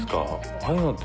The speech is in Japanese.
ああいうのって